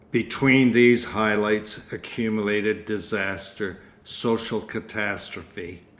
Between these high lights accumulated disaster, social catastrophe.